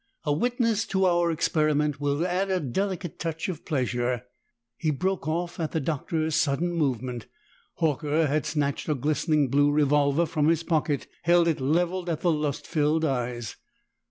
A witness to our experiment will add a delicate touch of pleasure " He broke off at the Doctor's sudden movement. Horker had snatched a glistening blue revolver from his pocket, held it leveled at the lust filled eyes.